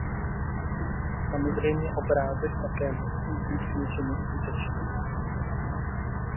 Samozřejmě obrázek také musí být k něčemu užitečný.